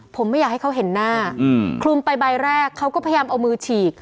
ผมไม่อยากให้เขาเห็นหน้าคลุมไปใบแรกเขาก็พยายามเอามือฉีก